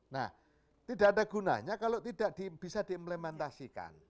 nah tidak ada gunanya kalau tidak bisa diimplementasikan